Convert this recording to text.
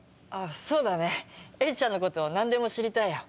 そうだねエリちゃんのこと何でも知りたいよ。